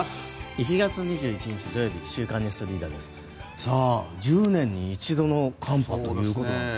１月２１日、土曜日「週刊ニュースリーダー」です。